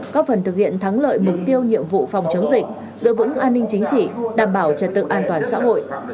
có phần thực hiện thắng lợi mục tiêu nhiệm vụ phòng chống dịch giữ vững an ninh chính trị đảm bảo trật tự an toàn xã hội